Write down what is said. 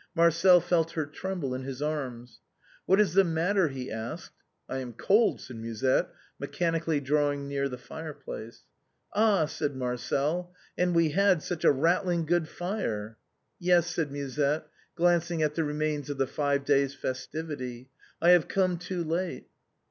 Marcel felt her tremble in his arms. " What is the matter ?" he asked. " I am cold," said Musette, mechanically drawing near the fireplace, " Ah !" said Marcel, " and we had such a rattling good fire." " Yes," said Musette, glancing at the remains of the five days' festivity, " I have come too late."